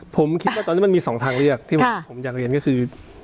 ผมคิดว่าตอนนี้มันมี๒ทางเลือกที่ผมอยากเรียนก็คือ